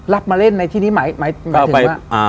มาเล่นในที่นี้หมายถึงว่า